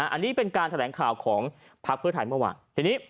อันนี้เป็นการแถลงข่าวของพักเพื่อไทยเมื่อวานทีนี้